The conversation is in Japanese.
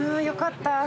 よかった。